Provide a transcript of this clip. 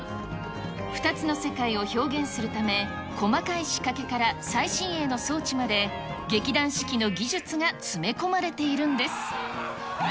２つの世界を表現するため、細かい仕掛けから最新鋭の装置まで、劇団四季の技術が詰め込まれているんです。